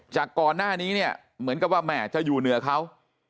จากก่อนหน้านี้เนี่ยเหมือนกับว่าแม่จะอยู่เหนือเขา